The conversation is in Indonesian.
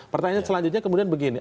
pertanyaan selanjutnya kemudian begini